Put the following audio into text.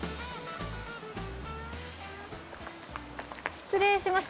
失礼します